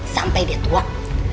sampai dia tuak